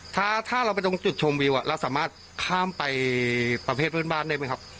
ถ้าเราไปตรงจุดชมวิวเราสามารถข้ามไปประเภทเพื่อนบ้านได้ไหมครับ